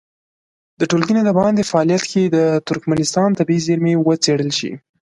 د ټولګي نه د باندې فعالیت کې دې د ترکمنستان طبیعي زېرمې وڅېړل شي.